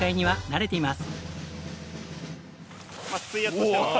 はい。